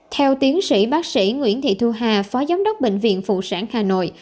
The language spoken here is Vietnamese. theo tiến sĩ bác sĩ nguyễn thị thu hà phó giám đốc bệnh viện phụ sản hà nội